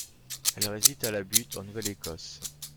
Elle réside à La Butte, en Nouvelle-Écosse.